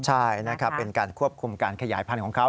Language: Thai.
ใช่นะครับเป็นการควบคุมการขยายพันธุ์ของเขา